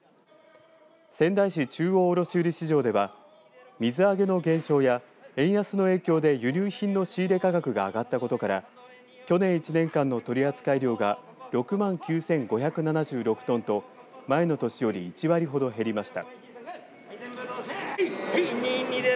仙台市中央卸売市場では水揚げの減少や円安の影響で輸入品の仕入れ価格が上がったことから去年１年間の取扱量が６万９５７６トンと前の年より１割ほど減りました。